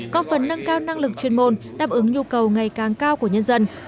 có phần nâng cao năng lực chuyên môn đáp ứng nhu cầu ngày càng cao của nhân dân